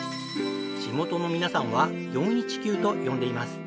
地元の皆さんは「４１９」と呼んでいます。